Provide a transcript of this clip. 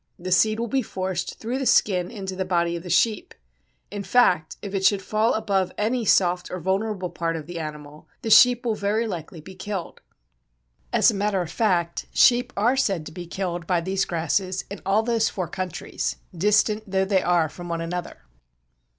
The seed will be forced through the skin into the body of the sheep. In fact, if it should fall above any soft or vulnerable part of the animal, the sheep will very likely be killed. As a matter of fact, sheep are said to be killed by these grasses in all those four countries, distant though they are from one another.